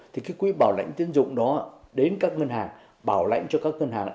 thì cái quỹ bảo lãnh tiến dụng đó đến các ngân hàng bảo lãnh cho các ngân hàng